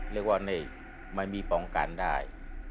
แต่ในวันอีกไม่มีป้องกันได้